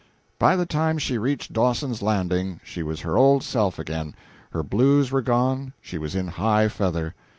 By the time she reached Dawson's Landing she was her old self again; her blues were gone, she was in high feather.